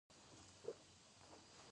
خو تاسو اوس يوه فزيك پوه ته ووايئ: